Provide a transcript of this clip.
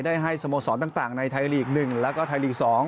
ได้ให้สมสอบต่างในไทยลีก๑และไทยลีก๒